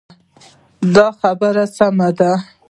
دا خبره سمه ده.